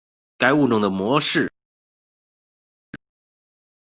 该物种的模式产地在西藏东部。